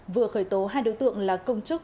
vừa khởi tố hai đối tượng là công chức